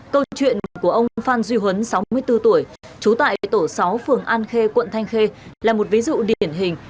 câu chuyện của ông phan duy huấn sáu mươi bốn tuổi trú tại tổ sáu phường an khê quận thanh khê là một ví dụ điển hình